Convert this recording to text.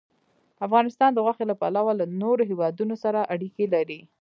افغانستان د غوښې له پلوه له نورو هېوادونو سره اړیکې لري.